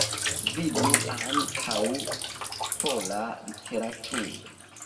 Vidu ankaŭ: Pola literaturo.